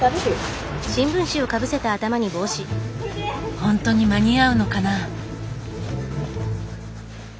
ほんとに間に合うのかな？